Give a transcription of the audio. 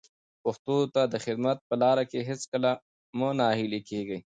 پښتو ته د خدمت په لاره کې هیڅکله مه ناهیلي کېږئ.